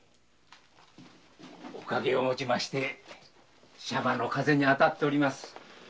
お陰をもちましてシャバの風に当たっております。